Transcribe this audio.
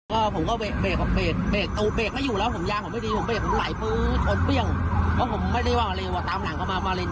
แล้วครั้นใดมาก่อน